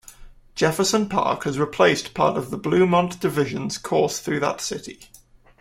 Jefferson Park has replaced part of the Bluemont Division's course through that city.